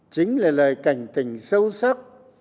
chính là lời cảnh tình sâu sắc